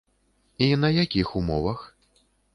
І на якіх умовах?